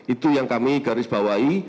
itu yang kami garisbawahi